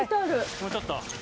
・もうちょっと。